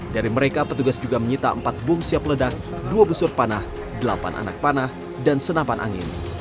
dari mereka petugas juga menyita empat bom siap ledak dua busur panah delapan anak panah dan senapan angin